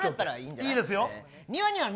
いいですよ。